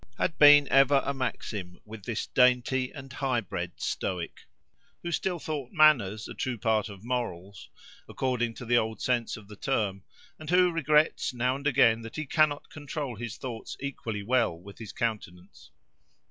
—had been ever a maxim with this dainty and high bred Stoic, who still thought manners a true part of morals, according to the old sense of the term, and who regrets now and again that he cannot control his thoughts equally well with his countenance.